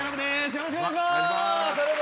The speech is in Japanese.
よろしくお願いします。